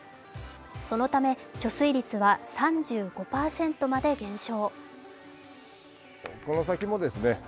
そのため貯水率は３５％まで減少。